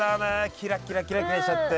キラキラキラキラしちゃって。